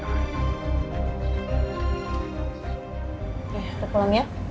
oke kita pulang ya